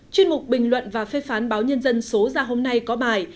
chuyên mục bình luận và phê phán báo nhân dân số ra hôm nay có bài